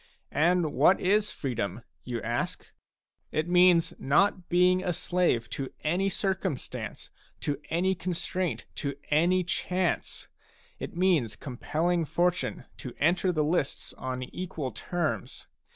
And what is freedom, you ask ? It means not being a slave to any circum stance, to any constraint, to any chance ; it means compelling Fortune to enter the lists on equal terms.